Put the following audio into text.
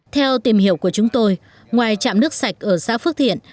theo tìm hiểu của chúng tôi ngoài trạm nước sạch ở xã phước thiện